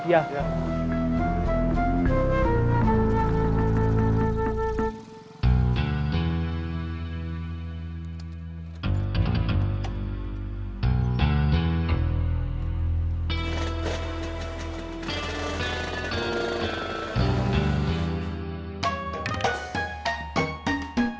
baiklah harus hati hati